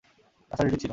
রাস্তায় ডিউটি ছিল।